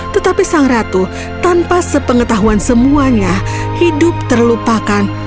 tetapi sang ratu tanpa sepengetahuan semuanya hidup terlupakan